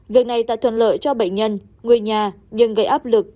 việc này tạo thuận lợi cho bệnh nhân người nhà nhưng gây áp lực